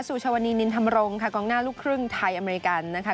ชาวนีนินธรรมรงค่ะกองหน้าลูกครึ่งไทยอเมริกันนะคะ